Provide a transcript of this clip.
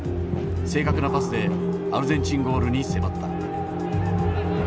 正確なパスでアルゼンチンゴールに迫った。